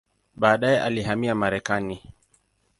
Baadaye alihamia Marekani.